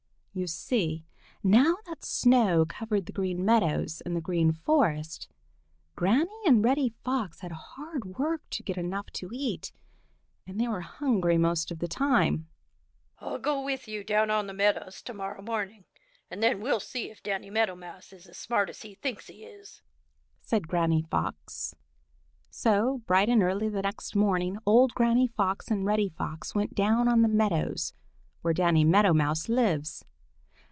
You see now that snow covered the Green Meadows and the Green Forest, Granny and Reddy Fox had hard work to get enough to eat, and they were hungry most of the time. "I'll go with you down on the meadows to morrow morning, and then we'll see if Danny Meadow Mouse is as smart as he thinks he is," said Granny Fox. So, bright and early the next morning, old Granny Fox and Reddy Fox went down on the meadows where Danny Meadow Mouse lives.